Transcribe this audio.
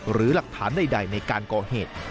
หรือหลักฐานใดในการก่อเหตุ